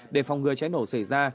để phòng ngừa cháy nổ xảy ra